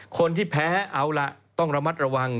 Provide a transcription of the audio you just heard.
คนที่แพ้เอาล่ะต้องระมัดระวัง